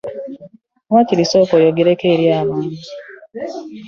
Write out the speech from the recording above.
Waakiri sooka oyogereko eri abantu.